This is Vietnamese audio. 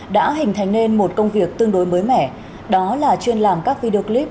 đã hình thành nên một công việc tương đối mới mẻ đó là chuyên làm các video clip